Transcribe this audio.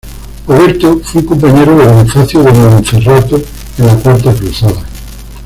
Oberto fue un compañero de Bonifacio de Montferrato en la Cuarta Cruzada.